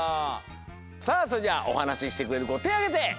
さあそれじゃおはなししてくれるこてあげて！